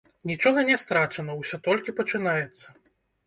Нічога не страчана, усё толькі пачынаецца!